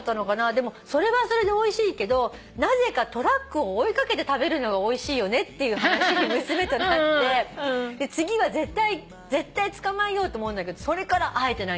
でもそれはそれでおいしいけどなぜかトラックを追い掛けて食べるのがおいしいよねっていう話に娘となって次は絶対つかまえようって思うんだけどそれから会えてないんですよ。